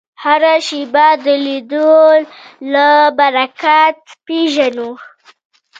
هره شېبه د لیدلو له برکته پېژنو